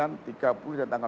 oh termasuk tanggal satu